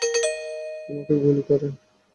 আমাকে গুলি করেন!